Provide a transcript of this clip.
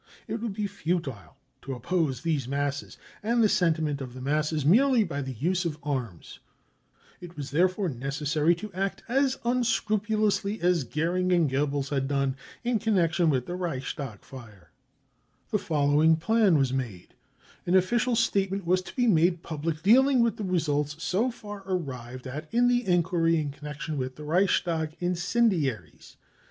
It would be futile to oppose these # masses and the sentiment of the masses merely by the use of arms. It was therefore necessary to act as Et •* 130 BROWN BOOK OF THE HITLER TERROR unscrupulously as Goering and Goebbels had done in connection wife the Reichstag fire. The following plan was made. An official statement was to be made public dealing with the results so far arrived at in the enquiry m connection with the Reichstag incendiaries.